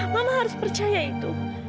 mama harus percaya itu